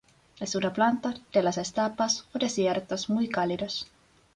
Es una planta de las estepas o desiertos muy cálidos.